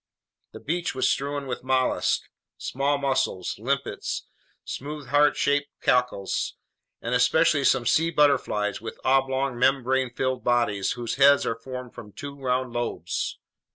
The beach was strewn with mollusks: small mussels, limpets, smooth heart shaped cockles, and especially some sea butterflies with oblong, membrane filled bodies whose heads are formed from two rounded lobes.